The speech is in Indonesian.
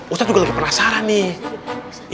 ustadz juga lagi penasaran nih